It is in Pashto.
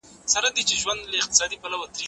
زه اوس کتابونه لوستل کوم؟